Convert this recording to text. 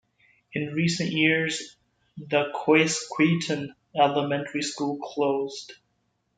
In recent years, the Quasqueton Elementary School closed.